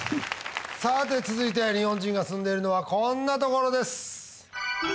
さて続いて日本人が住んでいるのはこんなところです